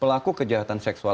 pelaku kejahatan seksual